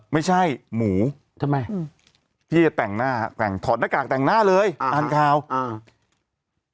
พี่จะแต่งหน้าแต่งถอดหน้ากากแต่งหน้าเลยอ่าฮะอ่านกล่าวอ่า